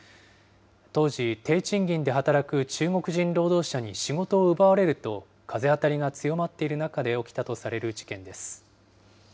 当時、低賃金で働く中国人労働者に仕事を奪われると、風当たりが強まっている中で起きたとされる事件です。